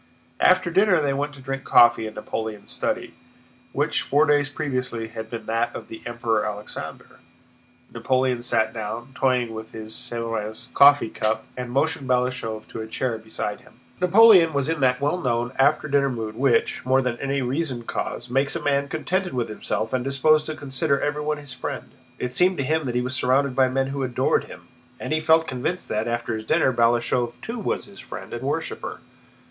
After dinner they went to drink coffee in Napoleon's study, which four days previously had been that of the Emperor Alexander. Napoleon sat down, toying with his Sèvres coffee cup, and motioned Balashëv to a chair beside him. Napoleon was in that well known after dinner mood which, more than any reasoned cause, makes a man contented with himself and disposed to consider everyone his friend. It seemed to him that he was surrounded by men who adored him: and he felt convinced that, after his dinner, Balashëv too was his friend and worshiper.